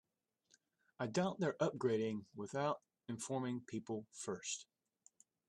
I doubt they're upgrading without informing people first.